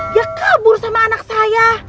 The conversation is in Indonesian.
dia kabur sama anak saya